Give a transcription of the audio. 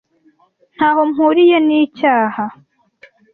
Ntaho mpuriye nicyaha.